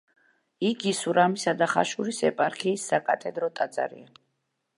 იგი სურამისა და ხაშურის ეპარქიის საკათედრო ტაძარია.